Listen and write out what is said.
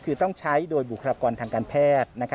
คือต้องใช้โดยบุคลากรทางการแพทย์